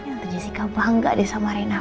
tante jessica bangga deh sama reina